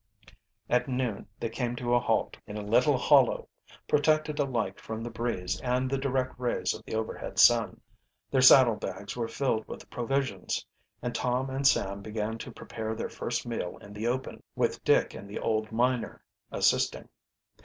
At noon they came to a halt in a little hollow, protected alike from the breeze and the direct rays of the overhead sun. Their saddle bags were filled with provisions, and Tom and Sam began to prepare their first meal in the open, with Dick and the old miner assisting.